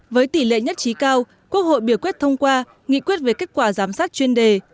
với tỷ lệ nhất trí cao quốc hội biểu quyết thông qua nghị quyết về kết quả giám sát chuyên đề